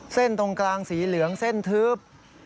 ตรงกลางสีเหลืองเส้นทึบ